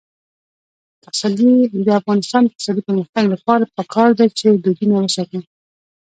د افغانستان د اقتصادي پرمختګ لپاره پکار ده چې دودونه وساتو.